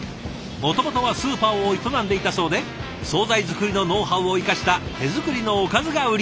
もともとはスーパーを営んでいたそうで総菜作りのノウハウを生かした手作りのおかずが売り。